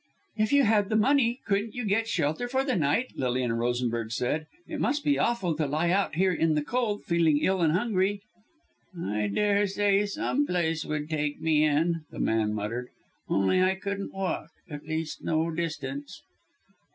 "If you had the money couldn't you get shelter for the night," Lilian Rosenberg said. "It must be awful to lie out here in the cold, feeling ill and hungry." "I dare say some place would take me in," the man muttered, "only I couldn't walk at least no distance."